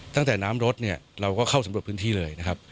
ตั้งแต่น้ำรถเราก็เข้าสำรวจพื้นที่เลย